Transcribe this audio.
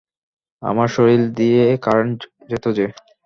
আমার শরীর দিয়ে কারেন্ট যেত যে?